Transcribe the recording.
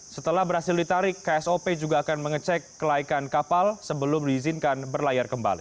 setelah berhasil ditarik ksop juga akan mengecek kelaikan kapal sebelum diizinkan berlayar kembali